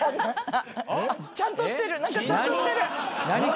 ちゃんとしてる。